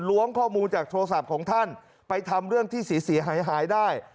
ข้อมูลจากโทรศัพท์ของท่านไปทำเรื่องที่เสียหายหายได้